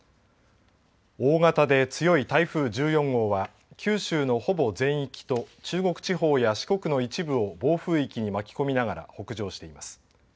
大型で強い台風１４号は九州のほぼ全域と中国地方や四国の一部を暴風域に巻き込みながら北上しています。